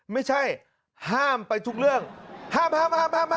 ไม่ใช่ห้ามไปทุกเรื่องห้ามห้าม